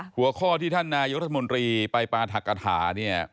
หัวข้อที่ท่านนายกรัฐมนตรีไปปราธกฐาเนี่ย